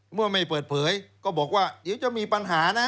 เมื่อไม่เปิดเผยก็บอกว่าเดี๋ยวจะมีปัญหานะ